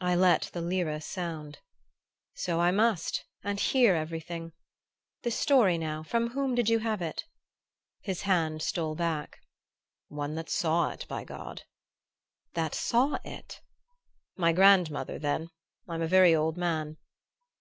I let the lire sound. "So I must and hear everything. This story, now from whom did you have it?" His hand stole back. "One that saw it, by God!" "That saw it?" "My grandmother, then. I'm a very old man."